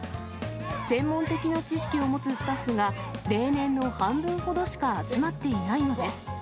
専門的な知識を持つスタッフが、例年の半分ほどしか集まっていないのです。